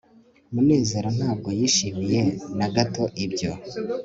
munezero ntabwo yishimiye na gato ibyo